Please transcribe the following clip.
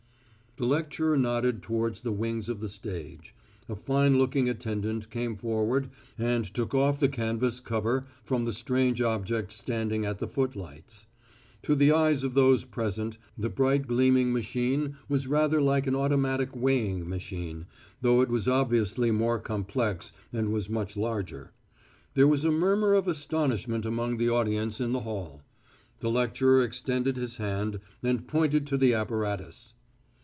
The lecturer nodded towards the wings of the stage. A fine looking attendant came forward and took off the canvas cover from the strange object standing at the footlights. To the eyes of those present, the bright gleaming machine was rather like an automatic weighing machine, though it was obviously more complex and was much larger. There was a murmur of astonishment among the audience in the hall. The lecturer extended his hand, and pointed to the apparatus.